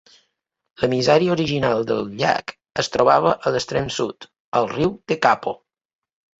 L'emissari original del llac es trobava a l'extrem sud, al riu Tekapo.